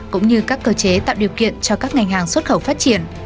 từ các cơ chế tạo điều kiện cho các ngành hàng xuất khẩu phát triển